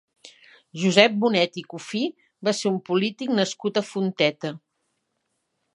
Josep Bonet i Cufí va ser un polític nascut a Fonteta.